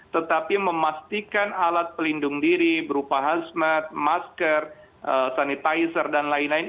tetapi memastikan alat pelindung diri berupa hazmat masker sanitizer dan lain lain